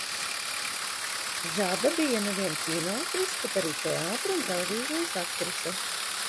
Žada bija ne vien kinoaktrise, bet arī teātra un televīzijas aktrise.